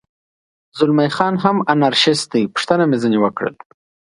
زلمی خان هم انارشیست دی، پوښتنه مې ځنې وکړل.